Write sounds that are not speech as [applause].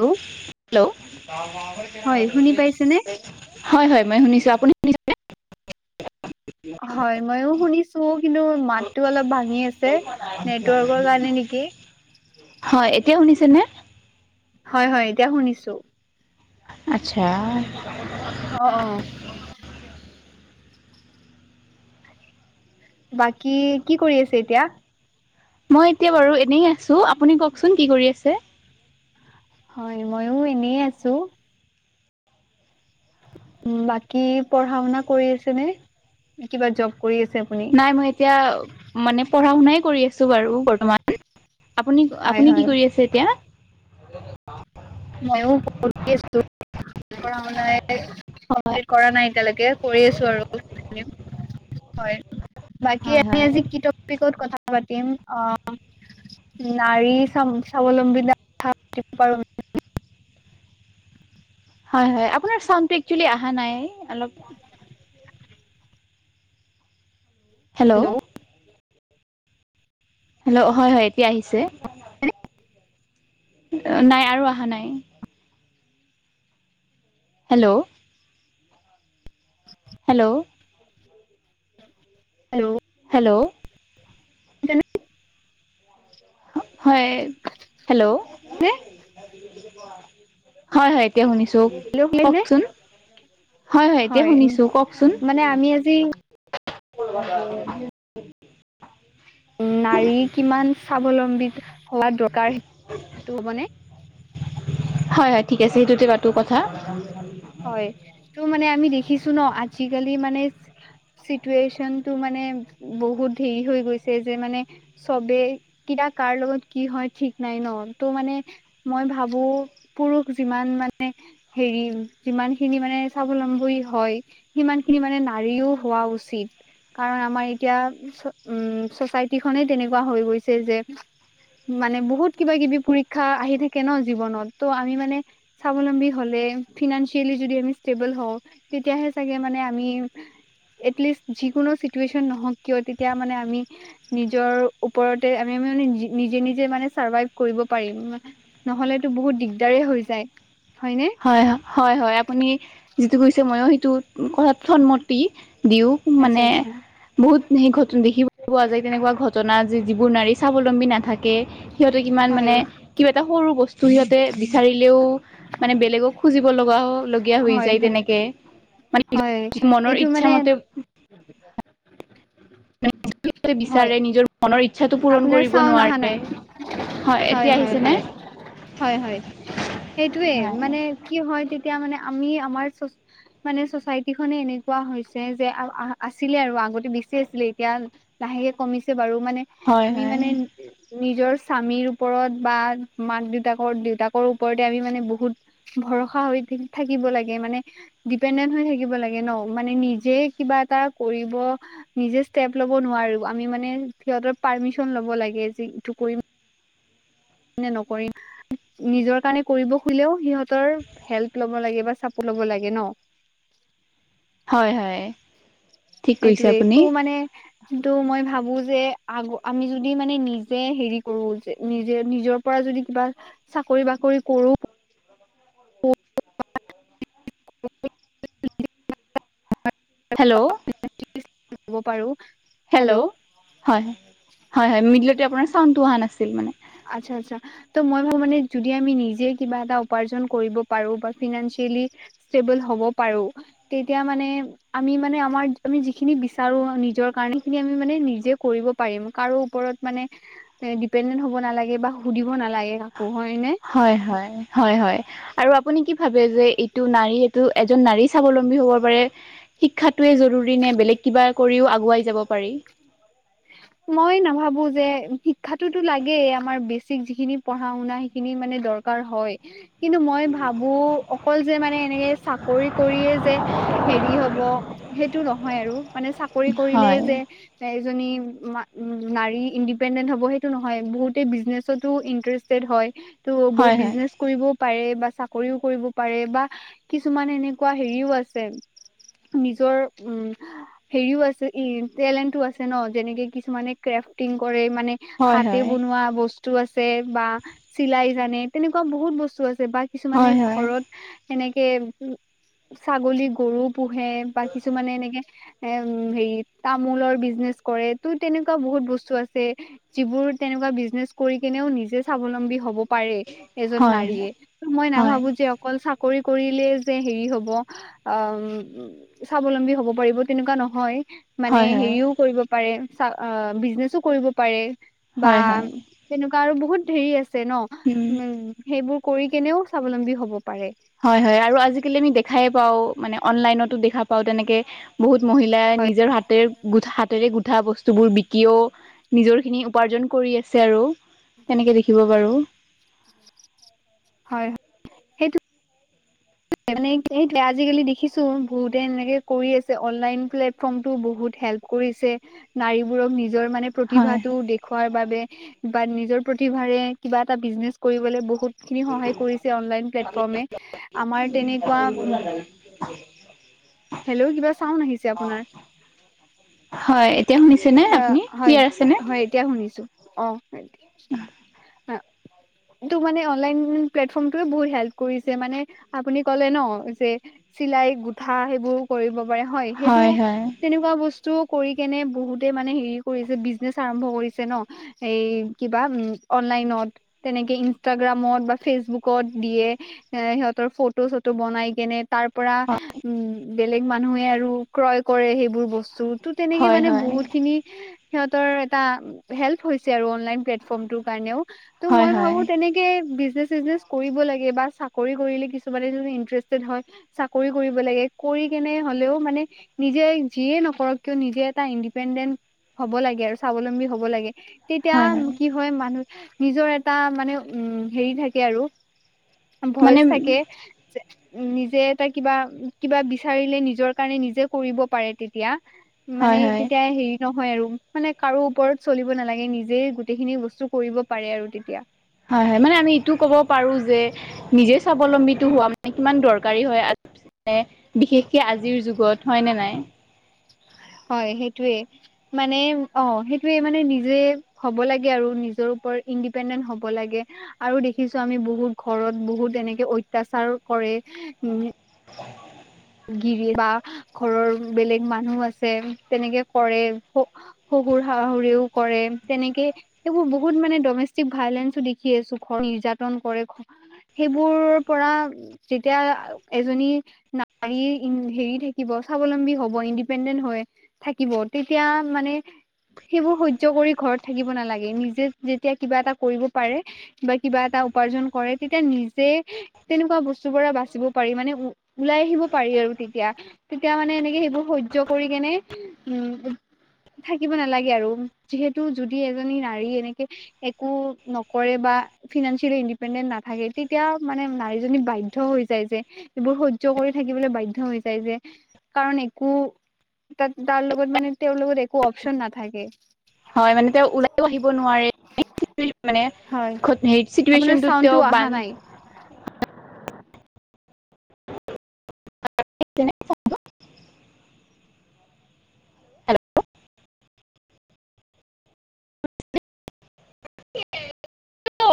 Hello hello হয় শুনি পাইছেনে? হয় হয় মই শুনিছো, আপুনি শুনিছেনে? হয়, মইয়ো শুনিছো কিন্তু মাততো অলপ ভাঙি আছে। নেটৱৰ্কৰ কাৰণে নিকি? হয়, এতিয়া শুনিছেনে? হয় হয়, এতিয়া শুনিছো। আৎচ্ছা। অঁ অঁ। বাকী কি কৰি আছে এতিয়া? মই এতিয়া বাৰু এনেই আছো, আপুনি কওকচোন কি কৰি আছে? হয়, ময়ো এনেই আছো। উম' বাকী পঢ়া শুনা কৰি আছেনে নে কিবা জব কৰি আছে? আপুনি নাই মই এতিয়া মানে পঢ়া শুনাই কৰি আছো বাৰু বৰ্তমান। আপুনি হয় আপুনি হয় কি কৰি আছে এতিয়া? ময়ো পঢি আছো নাই কমপ্লিট কৰা নাই এতিয়ালৈকে। কৰি আছো আৰু হয়, বাকী হয় এনেই হয় আজি কি টপ- পিকত কথা পাতিম, অঁ। নাৰী স্বাম স্বাৱলম্বীতা কথা পাতিব পাৰো। হয় হয়, আপোনাৰ চাওণ্ডটো একচুৱেলি অহা নাই অলপ- হেল্লৌ' হেল্ল' হেল্লৌ' হয় হয়, এতিয়া আহিছে। অ নাই আৰু অহা নাই। হেল্লৌ'। হেল্লৌ'। হেল্লৌ'। হেল্লৌ'। শুনিছানে? হয়, হেল্লৌ' হয় হয়। এতিয়া শুনিছো, কওকচোন। হয় হয় এতিয়া শুনিছো, কওকচোন। মানে আমি আজি নাৰী কিমান স্বাৱলম্বীতা বা দৰকাৰ সেইটো ক'বনে? হয় হয় ঠিক আছে, সেইটোতে পাতো কথা। [unintelligible] হয়, ত' মানে আমি দেখিছো ন আজিকালি মানে- চিটুৱেশ্যনটো মানে বহুত ধেৰি হৈ গৈছে যে মানে- চবে কিতিয়া কাৰ লগত কি হয় ঠিক নাই ন, ত মানে- মই ভাবো পুৰুষ যিমান মানে হেৰি- যিমান খিনি মানে স্বাৱলম্বী হয়, সিমান খিনি মানে নাৰীও হোৱা উচিত। কাৰণ আমাৰ এতিয়া উম চচাইটি খনেই তেনেকুৱা হৈ গৈছে যে। মানে বহুত কিবা কিবি পৰীক্ষা আহি থাকে ন জীৱনত ত' আমি মানে- স্বাৱলম্বী হ'লে। ফিনানচিয়েলি যদি আমি ষ্টেবল হওঁ তেতিয়াহে চাগে মানে আমি। এটলিষ্ট যিকোনো চিটুৱেচন নহওক কিয় তেতিয়া মানে আমি। নিজৰ ওপৰতে আমি মানে নি নিজে নিজে মানে চাৰ্ভাইভ কৰিব পাৰিম। নহলেতো বহুত দিগদাৰে হৈ যায় হয়নে। হয় হয় হয় আপুনি যিটো কৰিছে ময়ো সেইটো কথাত সন্মতি দিওঁ। আচ্ছা মানে। আচ্ছা বহুত সেই ঘটন দেখিবলৈ পোৱা যায় তেনেকুৱা ঘটনা যে যিবোৰ নাৰী স্বাৱলম্বী নাথাকে। সিহঁতে কিমান হয় মানে কিবা এটা সৰু বস্তু সিহঁতে বিচাৰিলেও। মানে বেলেগক খুজিব লগা হওক। লগীয়া হয় হৈ যায় হয় তেনেকে মানে হয় মনৰ এইটো ইচ্ছা মানে মতে। হয় বিচাৰে নিজৰ মনৰ ই। চ্ছাটো পূৰণ আপোনাৰ কৰিব চাউণ্ড অহা নাই নোৱাৰে হয় এতিয়া আহিছে নে। হয় হয় সেইটোৱে হয় মানে কি হয় তেতিয়া মানে আমি আমাৰ চ মানে চচাইটি খনে এনেকুৱা হৈছে যে আ আ আছিলে আৰু আগতে বেছি আছিলে এতিয়া। লাহেকে কমিছে বাৰু মানে হয় আমি হয় মানে নিজৰ স্বামীৰ ওপৰত বা মাক দেউতাকৰ দেউতাকৰ ওপৰতে আমি মানে বহুত ভৰসা হৈ থাকি থাকিব লাগে মানে দ্বীপেন্দেন হৈ থাকিব লাগে ন মানে নিজে এটা কৰিব নিজে ইষ্টেপ ল'ব নোৱাৰো আমি মানে সিহঁতৰ পাৰ্মিচন ল'ব লাগে যে ইটো কৰিম নে নকৰিম নিজৰ কাৰণে কৰিব খুলেও সিহঁতৰ হেল্প ল'ব লাগে বা চাপোৰ্ট ল'ব লাগে ন হয় হয় ঠিক কৈছে আপুনি সেইটোয়েটো মানে কিন্তু মই ভাবো যে আগ আমি যদি মানে নিজে হেৰি কৰো যে নিজে নিজৰ পৰা যদি কিবা চাকৰি বাকৰি কৰো [unintelligible] হেল্ল' [unintelligible] পাৰো হেল্ল' হয় হয় মিডিল'তে আপোনাৰ চাউনটো অহা নাছিল মানে আচ্ছা আচ্ছা ত' মই ভাবো মানে যদি আমি নিজে কিবা এটা উপাৰ্জন কৰিব পাৰো বা ফিনেনচিয়েলি ষ্টেবল হব পাৰো তেতিয়া মানে আমি মানে আমাৰ আমি যিখিনি বিচাৰো নিজৰ কাৰণে সেইখিনি আমি মানে নিজে কৰিব পাৰিম কাৰো ওচৰত মানে হে ডিপেনডেন্ড হ'ব নালাগে বা সুধিব নালাগে কাকো হয়নে হয় হয় হয় হয় আৰু আপুনি কি ভাবে যে এইটো নাৰী এইটো এজন নাৰী স্বাৱলম্বী হব পাৰে শিক্ষাটোৱে জৰুৰী নে বেলেগ কিবা কৰিও আগুৱাই যাব পাৰি মই নাভাবো যে শিক্ষাতোতো লাগেই আমাৰ বেছিক যিখিনি পঢ়া শুনা সেইখিনি মানে দৰ কাৰ হয় কিন্তু মই ভাবো অকল যে মানে এনেকে চাকৰি কৰিয়ে যে হেৰি হব সেইটো নহয় আৰু মানে চাকৰি কৰিলে হয় যে এজনী উ মা নাৰী ইণ্ডিপেণ্ডেন্ট হ'ব সেইটো নহয় বহুতে বিজনেচতো ইন্টাৰেষ্টেড হয় তো বহু হয় হয় বিজনেছ কৰিবও পাৰে বা চাকৰিও কৰিব পাৰে বা কিছুমান এনেকুৱা হেৰিও আছে নিজৰ উম হেৰিও আছে ই টেলেণ্টো আছে ন যেনেকে কিছুমানে ক্ৰেফটিং কৰে মানে হয় হাতে বনোৱা বস বস্তু আছে বা চিলাই জানে তেনেকুৱা বহুত বস্তু আছে বা হয় কিছুমানে হয় ঘৰত এনেকে উম ছাগলী, গৰু পোহে বা কিছুমানে এনেকে এ হেৰি তামোলৰ বিজনেছ কৰে। তুমি তেনেকুৱা বহুত বস্তু আছে যিবোৰ তেনেকুৱা বিজনেচ কৰি কেনেও নিজে স্বাৱলম্বী হ'ব পাৰে এজন হয় হয় নাৰীয়ে ত মই হয় নাভাবো যে অকল চা কৰি কৰিলেই যে হেৰি হ'ব অ স্বাৱলম্বী হ'ব পাৰিব তেনেকুৱা নহয়। হয় মানে হয় হেৰিও কৰিব পাৰে চা বিজনেছো কৰিব পাৰে বা হয় হয় হয় তেনেকুৱা আৰু বহুত ধেৰি আছে ন উম সেইবোৰ কৰি কেনেও স্বাৱলম্বী হ'ব পাৰে। হয়-হয় আৰু আজিকালি আমি দেখাই পাওঁ মানে অনলাইনতো দেখা পাওঁ তেনেকে। বহুত মহিলাই নিজৰ হাতেৰে গো হাতেৰে গু গুঠা বস্তুবোৰ বিকিও নিজৰখিনি উপাৰ্জন কৰি আছে আৰু। সেনেকে দেখিব বাৰু। হয়। সেইটো [unintelligible] আজিকালি দেখিছোঁ বহুতে এনেকে কৰি আছে অনলাইন প্লেটফৰ্মটো বহুত হেল্প কৰিছে নাৰীবোৰক নিজৰ মানে হয় প্ৰতিভাটো দেখুৱাৰ বাবে বা নিজৰ প্ৰতিভাৰে কিবা এটা বিজনেছ কৰিবলে বহুত বহুতখিনি সহায় কৰিছে অনলাইন প্লেটফৰ্মে। আমাৰ তেনেকুৱা উম [unintelligible] হেল্ল' কিবা চাউন আহিছে আপোনাৰ? হয়। এতিয়া শুনিছেনে আপুনি [unintelligible] ক্লিয়াৰ আছেনে হয়-হয় এতিয়া শুনিছোঁ অঁ। তটো মানে অনলাইন প্লেটফৰ্মটো মানে বহুত হেল্প কৰিছে মানে আপুনি ক'লে ন যে চিলাই গোঠা সেইবোৰ কৰিব পাৰে হয় সেইটো তেনেকুৱা বস্তু কৰি কেনে বহুতে মানে হেৰি কৰিছে বিজনেচ আৰম্ভ কৰিছে ন এই কিবা উম অনলাইনত। তেনেকে ইনষ্টাগ্ৰামত বা ফেচবুকত দিয়ে। এ সিহঁতৰ ফটো-চটো বনাই কেনে তাৰ পৰা উম বেলেগ মানুহে আৰু ক্ৰয় কৰে সেইবোৰ বস্তু তো তেনেকে হয় মানে হয় বহুতখিনি সিহঁতৰ এটা হেল্প হৈছে আৰু অনলাইন প্লেটফৰ্মটোৰ কাৰণেও। ত' হয় মই হয় ভাবোঁ তেনেক [unintelligible] বিজনেচ-চিজনেছ কৰিব লাগে বা চাকৰি কৰিলে কিছুমানে ইন্টাৰেষ্টেড হয় চাকৰি কৰিব লাগে কৰি কেনে হ'লেও মানে নিজে যিয়ে নকৰক কিয় নিজে এটা ইংগ ইণ্ডিপেণ্ডেণ্ট হ'ব লাগে আৰু স্বাৱলম্বী হ'ব লাগে তেতিয়া হয় মানুহ নিজৰ এটা মানে উম হেৰি থাকে আৰু। ভইচ মানে থাকে নিজে এটা কিবা কিবা বিচাৰিলে নিজৰ কাৰণে কৰিব পাৰে তেতিয়া মানে হয় হয় হেৰি নহয় আৰু মানে কাৰো ওপৰত চলিব নালাগে নিজেই গোটেইখিনি বস্তু কৰিব পাৰে আৰু তেতিয়া। হয়-হয়, মানে আমি এইটো ক'ব পাৰো যে নিজে স্বাৱলম্বী হোৱা মানে কিমান দৰকাৰী হয় মানে বিশেষকে আজিৰ যুগত হয় নে নাই। হয়, সেইটোৱে। মানে অঁ সেইটোৱেই মানে নিজে হ'ব লাগে আৰু নিজৰ ওপৰত ইণ্ডিপেণ্ডেণ্ট হ'ব লাগে। আৰু দেখিছোঁ আমি বহুত ঘৰত বহুত এনেকে অত্যাচাৰ কৰে উম গিৰি বা ঘৰৰ বেলেগ মানুহ আছে তেনেকে কৰ। শহুৰ শাহুৰেও কৰে তেনেকে সেইবোৰ বহুত মানে ডমেষ্টিক ভাইলেঞ্চো দেখি আছো ঘৰ নিৰ্যাতন কৰে। সেইবোৰ পৰা যেতিয়া এজনী নাৰী হেৰি থাকিব স্বাৱলম্বী হ'ব ইণ্ডিপেণ্ডেণ্ট হয়। থাকিব তেতিয়া মানে সেইবোৰ সহ্য কৰি ঘৰত থাকিব নালাগে, নিজে যেতিয়া কিবা এটা কৰিব পাৰে। বা কিবা এটা উপাৰ্জন কৰে তেতিয়া নিজে তেনেকুৱা বস্তুৰ পৰা বাচিব পাৰি, মানে ওলাই আহিব পাৰি আৰু তেতিয়া, তেতিয়া মানে এনেকে সেইবোৰ সহ্য কৰি কেনে, উম থাকিব নালাগে আৰু যিহেতু যদি এজনী নাৰী এনেকে একো নকৰে বা ফিনেসিয়েলি ইণ্ডিপেণ্ডেন্ট নাথাকে তেতিয়া মানে নাৰীজনী বাধ্য হৈ যায় যে এইবোৰ স সহ্য কৰি থাকিবলৈ বাধ্য হৈ যায় যে, কাৰণ একো তাত তাৰ লগত মানে তেওঁৰ লগত একো অপচন নাথাকে। হয়, মানে তেওঁ ওলাইও আহিব নোৱাৰে। [unintelligible] মানে হয় হেই আপোনাৰ চিটুৱেশচনত চাউণ্ডটো তেওঁ অহা বান নাই। [unintelligible]